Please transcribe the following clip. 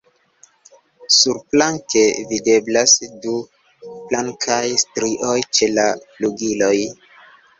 Surplanke videblas du blankaj strioj ĉe la flugiloj.